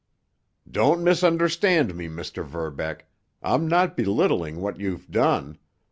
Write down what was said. "Don't misunderstand me, Mr. Verbeck—I'm not belittling what you've done.